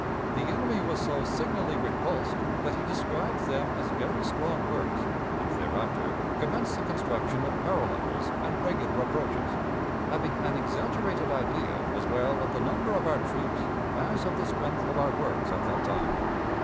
The enemy was so signally repulsed that he described them as very strong works, and thereafter commenced the construction of parallels and regular approaches, having an exaggerated idea as well of the number of our troops as of the strength of our works at that time.